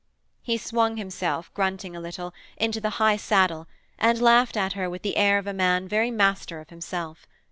He swung himself, grunting a little, into the high saddle and laughed at her with the air of a man very master of himself.